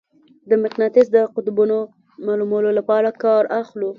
د مقناطیس د قطبونو معلومولو لپاره کار اخلو.